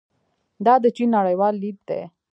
دا د چین نړیوال لید دی.